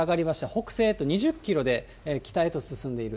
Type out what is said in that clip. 北西へと２０キロで北へと進んでいる。